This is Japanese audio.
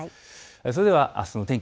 それではあすの天気